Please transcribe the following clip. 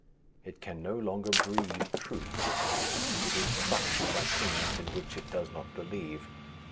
It can no longer breathe Truth; it is crushed by things in which it does not believe.